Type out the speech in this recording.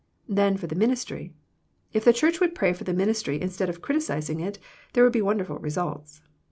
Then for the ministry. If the Church would pray for the ministry instead of criticising it, there would be wonderful results.